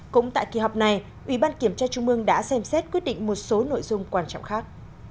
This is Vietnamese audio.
cũng tại kỳ họp này ủy ban kiểm tra trung mương đã xem xét quyết định một số nội dung quan trọng khác